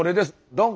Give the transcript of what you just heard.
ドン！